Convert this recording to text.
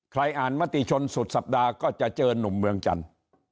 ใครอ่านมติชนสุดสัปดาห์ก็จะเจอนุ่มเมืองจันทร์